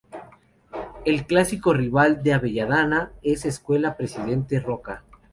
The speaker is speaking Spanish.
El clásico rival de Avellaneda es Escuela Presidente Roca.